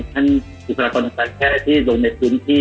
ท่านศูนย์ภาคอนาศาสตร์แค่ที่ลงในพื้นที่